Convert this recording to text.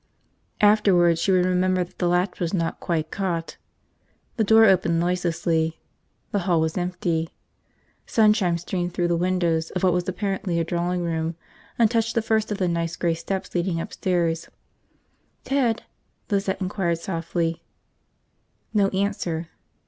Afterward she would remember that the latch was not quite caught. The door opened noiselessly. The hall was empty. Sunshine streamed through the windows of what was apparently a drawing room and touched the first of the nice gray steps leading upstairs. "Ted?" Lizette inquired softly. No answer.